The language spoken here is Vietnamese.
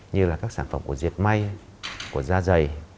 như là các sản phẩm của diệt may của da dày